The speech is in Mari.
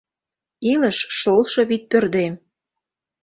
Илыш — шолшо вӱдпӧрдем.